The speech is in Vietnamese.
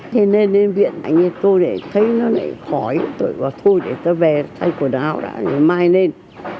thế lên đến viện tôi thấy nó lại khói tôi bảo thôi để tôi về thay quần áo đã rồi mai lên